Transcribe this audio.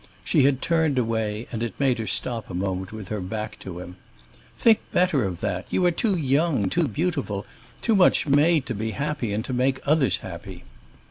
She had turned away, and it made her stop a moment with her back to him. "Think better of that. You are too young, too beautiful, too much made to be happy and to make others happy.